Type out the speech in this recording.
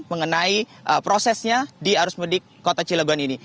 mengenai prosesnya di harus mudik kota cilgon ini